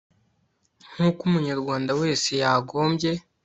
nk'uko umunyarwanda wese yagombye